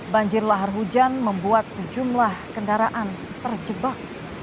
banjir lahar hujan membuat sejumlah kendaraan terjebak